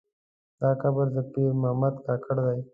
دا قبر د پیر محمد کاکړ دی.